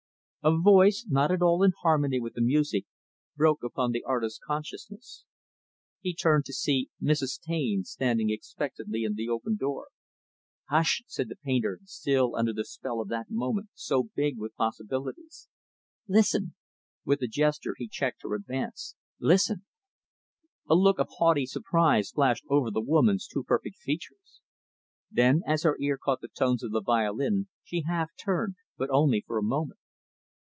A voice, not at all in harmony with the music, broke upon the artist's consciousness. He turned to see Mrs. Taine standing expectantly in the open door. "Hush!" said the painter, still under the spell of that moment so big with possibilities. "Listen," with a gesture, he checked her advance, "listen." A look of haughty surprise flashed over the woman's too perfect features. Then, as her ear caught the tones of the violin, she half turned but only for a moment.